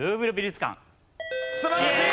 素晴らしい！